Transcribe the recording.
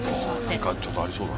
何かちょっとありそうだな。